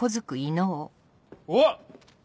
おっ！